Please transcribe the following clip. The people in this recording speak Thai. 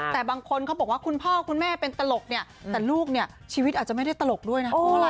แต่บางคนเขาบอกว่าคุณพ่อคุณแม่เป็นตลกเนี่ยแต่ลูกเนี่ยชีวิตอาจจะไม่ได้ตลกด้วยนะ